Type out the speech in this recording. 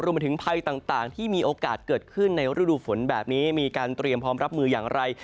มาถึงภัยต่างที่มีโอกาสเกิดขึ้นในฤดูฝนแบบนี้มีการเตรียมพร้อมรับมืออย่างไร